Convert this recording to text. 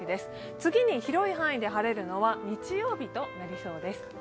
次に広い範囲で晴れるのは日曜日となりそうです。